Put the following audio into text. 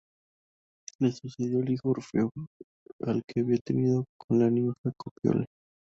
Le sucedió su hijo Orfeo, al que había tenido con la ninfa Calíope.